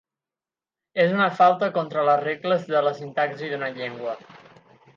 És una falta contra les regles de la sintaxi d’una llengua.